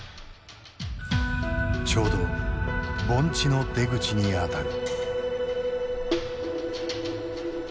ちょうど盆地の出口にあたる。